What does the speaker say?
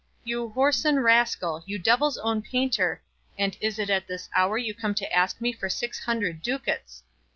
You whoreson rascal, you devil's own painter, and is it at this hour you come to ask me for six hundred ducats!